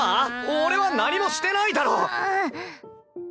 俺は何もしてないだろ！